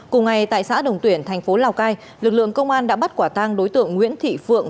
cùng ngày tại xã đồng tuyển thành phố lào cai lực lượng công an đã bắt quả tang đối tượng nguyễn thị phượng